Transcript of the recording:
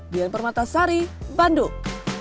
dian permata sari bandung